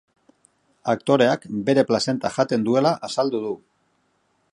Aktoreak bere plazenta jaten duela azaldu du.